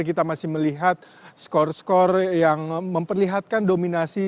kita masih melihat skor skor yang memperlihatkan dominasi